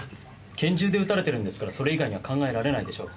拳銃で撃たれてるんですからそれ以外には考えられないでしょう。